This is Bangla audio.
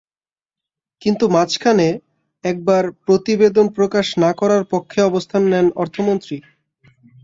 কিন্তু মাঝখানে একবার প্রতিবেদন প্রকাশ না করার পক্ষে অবস্থান নেন অর্থমন্ত্রী।